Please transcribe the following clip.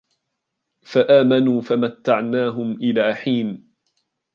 فَآمَنُوا فَمَتَّعْنَاهُمْ إِلَى حِينٍ